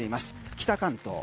北関東